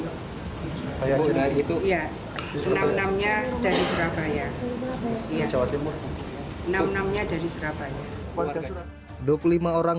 hai kayak cerah itu ya enam enam nya dari surabaya ya jauh timur enam puluh enam nya dari surabaya dua puluh lima orang